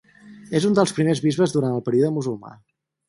És un dels primers bisbes durant el període musulmà.